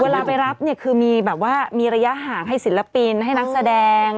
เวลาไปรับเนี่ยคือมีแบบว่ามีระยะห่างให้ศิลปินให้นักแสดง